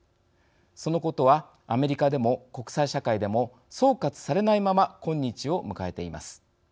そのことは、アメリカでも国際社会でも、総括されないまま今日を迎えています。